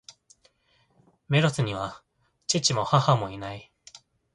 メロスには父も、母も無い。